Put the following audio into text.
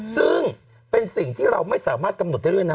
ซึ่งเป็นสิ่งที่เราไม่สามารถกำหนดได้ด้วยนะ